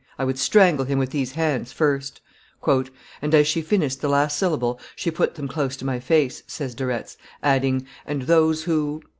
I would strangle him with these hands first!" "And, as she finished the last syllable, she put them close to my face," says De Retz, "adding, 'And those who